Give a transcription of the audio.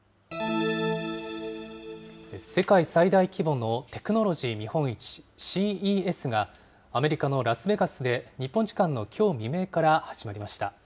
世界最大規模のテクノロジー見本市ＣＥＳが、アメリカのラスベガスで日本時間のきょう未明から始まりました。